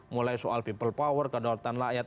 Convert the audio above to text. mulai soal people power kedaulatan rakyat